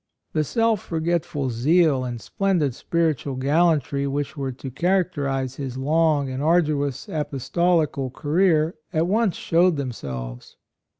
The self forgetful zeal and splendid spiritual gal lantry which were to char acterize his long and arduous apostolical career at once showed themselves.